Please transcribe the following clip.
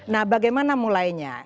nah bagaimana mulainya